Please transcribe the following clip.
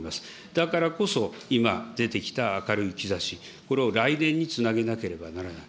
だからこそ今、出てきた明るい兆し、これを来年につなげなければならない。